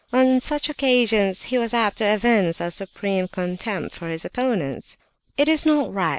On such occasions he was apt to evince a supreme contempt for his opponents. "It is not right!